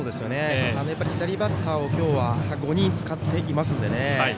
左バッターを今日は５人使っていますので。